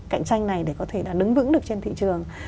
cạnh tranh này để có thể là đứng vững được trên thị trường